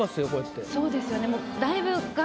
そうですよね。